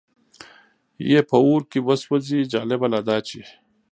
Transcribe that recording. یې په اور کې وسوځي، جالبه لا دا چې.